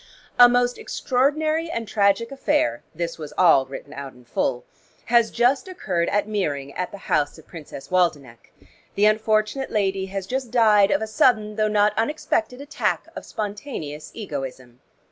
"A most extraordinary and tragic affair" (this was all written out in full) "has just occurred at Meering at the house of Princess Waldenech. The unfortunate lady has just died of a sudden though not unexpected attack of spontaneous egoism.